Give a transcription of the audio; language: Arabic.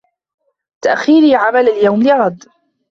تَأْخِيرِي عَمَلَ الْيَوْمِ لِغَدٍ